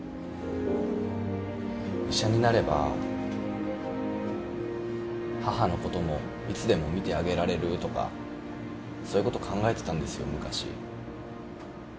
医者になれば母のこともいつでも診てあげられるとかそういうこと考えてたんですよ昔。